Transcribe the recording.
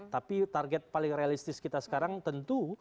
tapi target paling realistis kita sekarang tentu